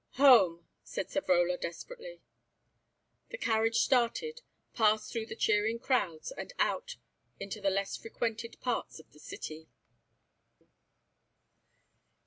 "Home," said Savrola desperately. The carriage started, passed through the cheering crowds, and out into the less frequented parts of the city.